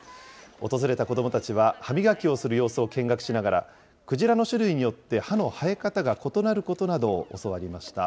訪れた子どもたちは歯磨きをする様子を見学しながら、クジラの種類によって歯の生え方が異なることなどを教わりました。